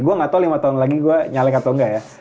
gue gak tau lima tahun lagi gue nyalek atau enggak ya